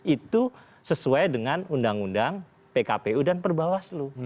itu sesuai dengan undang undang pkpu dan perbawaslu